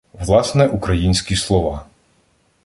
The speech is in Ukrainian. Власне українські слова